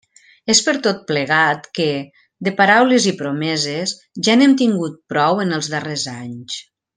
És per tot plegat que, de paraules i promeses, ja n'hem tingut prou en els darrers anys.